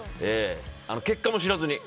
結果も知らずに。